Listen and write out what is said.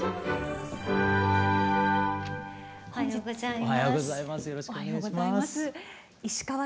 おはようございます。